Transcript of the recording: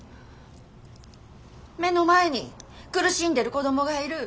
目の前に苦しんでる子供がいる。